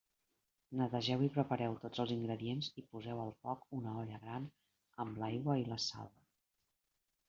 Netegeu i prepareu tots els ingredients i poseu al foc una olla gran amb l'aigua i la sal.